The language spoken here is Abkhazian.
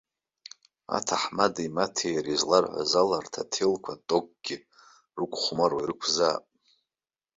Аҭаҳмада имоҭеи иареи изларҳәаз ала, урҭ аҭелқәа атокгьы рықәхәмаруа ирықәзаап.